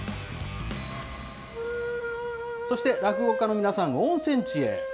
そして落語家の皆さん、温泉地へ。